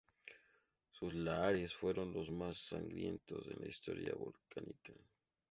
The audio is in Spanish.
Sus lahares fueron los más sangrientos en la historia volcánica.